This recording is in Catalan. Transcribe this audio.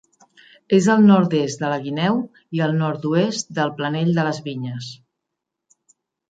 És al nord-est de la Guineu i al nord-oest del Planell de les Vinyes.